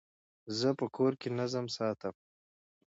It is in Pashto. زه په کور کي نظم ساتم.